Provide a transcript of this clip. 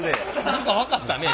何か分かったね